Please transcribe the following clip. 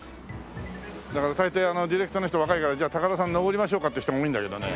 だから大抵ディレクターの人若いから「じゃあ高田さん上りましょうか」って人が多いんだけどね。